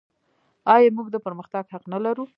آیا موږ د پرمختګ حق نلرو؟